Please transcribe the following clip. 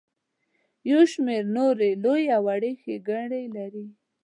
یو شمیر نورې لویې او وړې ښیګړې لري.